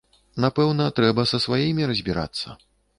Напэўна, трэба са сваімі разбірацца.